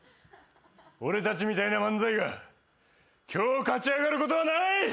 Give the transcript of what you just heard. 俺たちみたいな漫才が今日勝ちあがることはない！